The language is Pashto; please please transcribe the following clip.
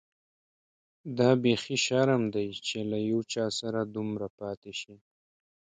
دا بيخي شرم دی چي له یو چا سره دومره پاتې شې.